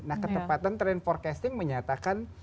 nah ketepatan trend forecasting menyatakan